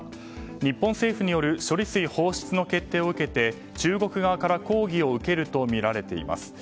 日本政府による処理水放出の決定を受けて中国側から抗議を受けるとみられています。